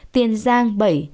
tiền giang bảy